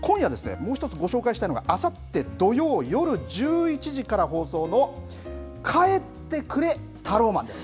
もう１つご紹介したいのがあさって土曜夜１１時から放送の帰ってくれタローマンです。